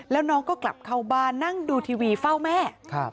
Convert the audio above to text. แล้วน้องก็กลับเข้าบ้านนั่งดูทีวีเฝ้าแม่